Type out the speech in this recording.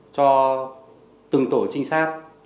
cho từng tổ trinh sát